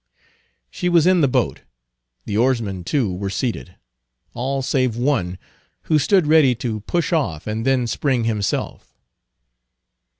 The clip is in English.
She was in the boat; the oarsmen, too, were seated; all save one, who stood ready to push off and then spring himself.